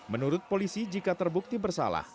menurut polisi jika terbukti bersalah